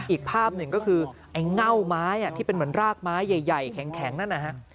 อีกภาพหนึ่งก็คือไอ้เง่าไม้ที่เป็นเหมือนรากไม้ใหญ่แข็งนั่นนะฮะ